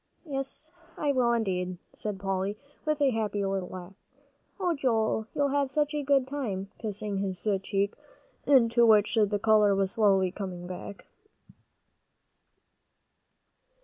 "Yes, I will, indeed," said Polly, with a happy little laugh. "Oh, Joe, you'll have such a good time!" kissing his cheek, into which the color was slowly coming back.